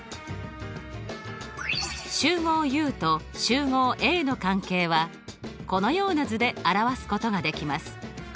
集合Ｕと集合Ａの関係はこのような図で表すことができます。